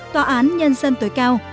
tòa án nhân dân tối cao